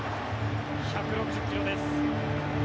１６０ｋｍです。